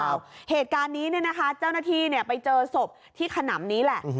ครับเหตุการณ์นี้นี่นะคะเจ้านาธีเนี่ยไปเจอเสพที่ขนำนี้แหละ